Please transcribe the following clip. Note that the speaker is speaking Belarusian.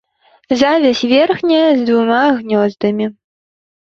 Завязь верхняя, з двума гнёздамі.